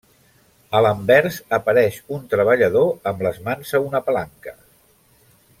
A l'anvers apareix un treballador amb les mans a una palanca.